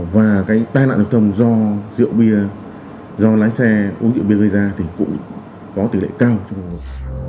và cái tài nạn rượu thông do rượu bia do lái xe uống rượu bia gây ra thì cũng có tỷ lệ cao trong khu vực